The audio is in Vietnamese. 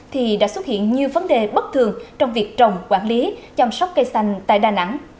thì đã xuất hiện nhiều vấn đề bất thường trong việc trồng quản lý chăm sóc cây xanh tại đà nẵng